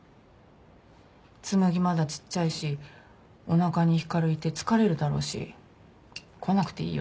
紬まだちっちゃいしおなかに光いて疲れるだろうし来なくていいよって。